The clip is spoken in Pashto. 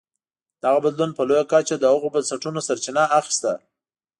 دغه بدلون په لویه کچه له هغو بنسټونو سرچینه اخیسته.